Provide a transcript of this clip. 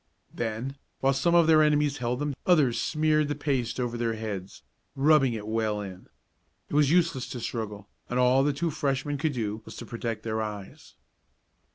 Then, while some of their enemies held them, others smeared the paste over their heads, rubbing it well in. It was useless to struggle, and all the two Freshmen could do was to protect their eyes.